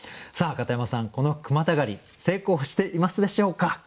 さあ片山さんこの句またがり成功していますでしょうか？